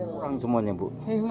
kurang semuanya bu